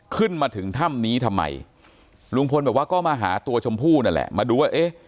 ขึ้นมาถึงถ้ำนี้ทำไมลุงพลบอกว่าก็มาหาตัวชมพู่นั่นแหละมาดูว่าเอ๊ะ